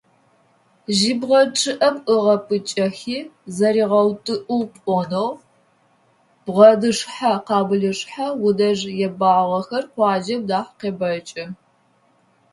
Жьыбгъэ чъыӀэм ыгъэпӀыкӀэхи заригъэутӀыӀугъ пloнэу, бгъэнышъхьэ-къамылышъхьэ унэжъ ебагъэхэр къуаджэм нахь къебэкӀы.